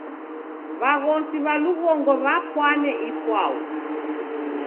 W'aghosi w'a lughongo w'apwane ipwau.